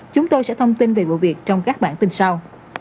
chúng tôi sẽ thông tin về vụ việc trong các bản tin sau